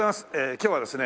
今日はですね